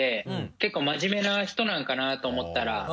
結構真面目な人なのかな？と思ったら。